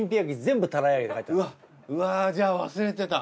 うわっうわぁじゃあ忘れてた。